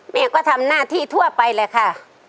แม่ก็ทำหน้าที่ทั่วไปแหละค่ะ